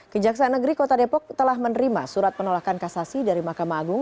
kejaksaan negeri kota depok telah menerima surat penolakan kasasi dari mahkamah agung